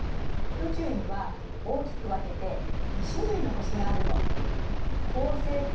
宇宙には大きく分けて２種類の星があるの。